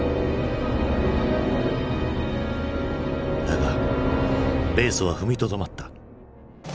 だが米ソは踏みとどまった。